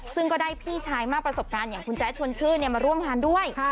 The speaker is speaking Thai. ซึ่งก็ได้พี่ชายมากประสบการณ์อย่างคุณแจ๊ดชวนชื่นมาร่วมงานด้วย